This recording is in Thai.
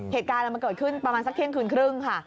เหตุการณ์มันเกิดขึ้นประมาณสักเที่ยงคืนครึ่งค่ะ